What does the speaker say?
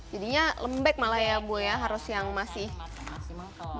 jadinya lembek malah ya bu ya harus yang masih mengkel kayak gini ya